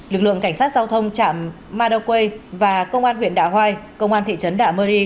lực lượng cảnh sát giao thông chạm madaway và công an huyện đạ hoai công an thị trấn đạ mơ ri